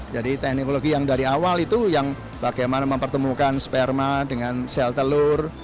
jadi teknologi yang dari awal itu yang bagaimana mempertemukan sperma dengan sel telur